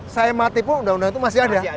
saya mati pun undang undang itu masih ada